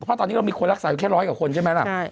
เพราะตอนนี้เรามีคนรักษาอยู่แค่ร้อยกว่าคนใช่ไหมล่ะ